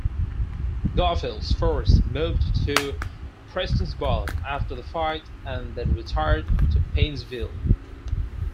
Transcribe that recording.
Garfield's force moved to Prestonsburg after the fight and then retired to Paintsville.